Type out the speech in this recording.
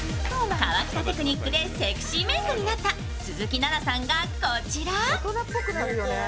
河北テクニックでセクシーメークになった鈴木奈々さんがこちら。